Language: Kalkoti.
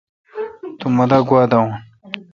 تو مہ دا گوا داون۔